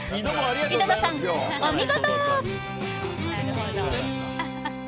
井戸田さん、お見事！